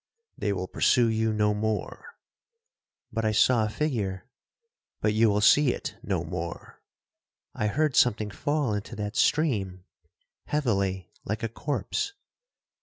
—'They will pursue you no more.'—'But I saw a figure.'—'But you will see it no more.'—'I heard something fall into that stream—heavily—like a corse.'